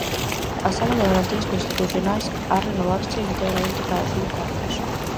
A sala de Garantías Constitucionais ha renovarse integramente cada cinco anos.